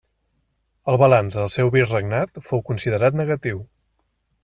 El balanç del seu virregnat fou considerat negatiu.